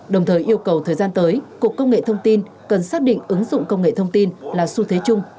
đồng thời yêu cầu thời gian tới cục công nghệ thông tin cần xác định ứng dụng công nghệ thông tin là xu thế chung